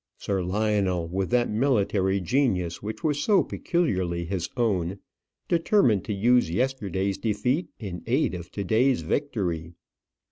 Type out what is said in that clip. Sir Lionel, with that military genius which was so peculiarly his own, determined to use his yesterday's defeat in aid of to day's victory.